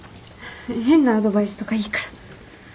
変なアドバイスとかいいから。